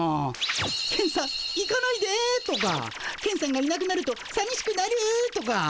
「ケンさん行かないで」とか「ケンさんがいなくなるとさみしくなる」とか。